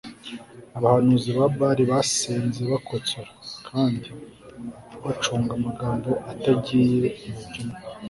Abahanuzi ba Bali bari basenze bakotsora kandi bacuga amagambo atagiye umujyo umwe